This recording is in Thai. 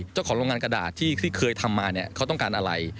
เจ้าของโรงงานกระดาษที่เคยทำมาเนี่ยเขาต้องการอะไร